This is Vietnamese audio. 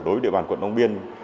đối với địa bàn quận long biên